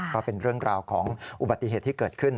ก็เป็นเรื่องราวของอุบัติเหตุที่เกิดขึ้น